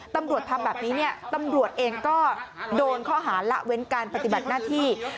ตำรวจทำแบบนี้เนี่ยตำรวจเองก็โดนข้อหาละเว้นการปฏิบัติหน้าที่